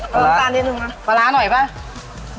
ปลาร้าปลาร้าหน่อยไหม